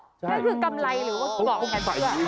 นั่นคือกำไรหรือว่าเกาะอย่างนี้